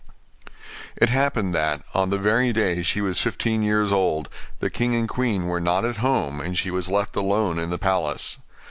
It happened that, on the very day she was fifteen years old, the king and queen were not at home, and she was left alone in the palace.